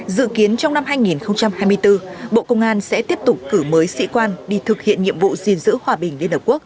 dự kiến trong năm hai nghìn hai mươi bốn bộ công an sẽ tiếp tục cử mới sĩ quan đi thực hiện nhiệm vụ gìn giữ hòa bình liên hợp quốc